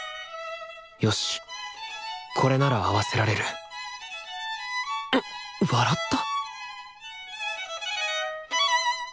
よしこれなら合わせられる笑った？